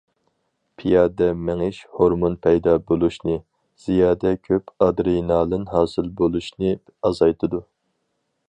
پىيادە مېڭىش ھورمۇن پەيدا بولۇشنى، زىيادە كۆپ ئادرېنالىن ھاسىل بولۇشنى ئازايتىدۇ.